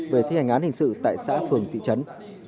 về thi hành án hình sự tại xã phường thị trấn